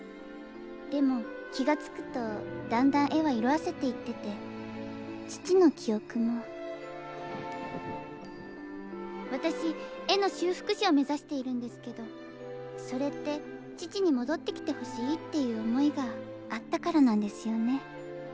でも気が付くとだんだん絵は色あせていってて父の記憶も私絵の修復士を目指しているんですけどそれって父に戻ってきてほしいっていう思いがあったからなんですよね。